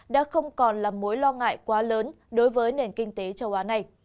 đã không còn là mối lo ngại quá lớn đối với nền kinh tế châu á này